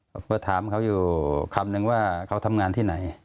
เมื่อถามเขาอยู่คำนึงว่าเขาทำงานที่ไหน